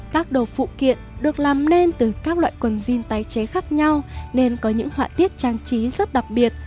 các đồ phụ kiện được làm nên từ các loại quần jean tái chế khác nhau nên có những họa tiết trang trí rất đặc biệt